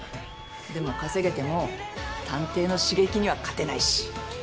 でも稼げても探偵の刺激には勝てないし。